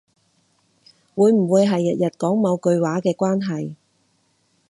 會唔會係因為日日講某句話嘅關係